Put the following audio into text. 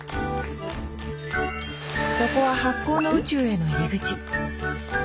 そこは発酵の宇宙への入り口。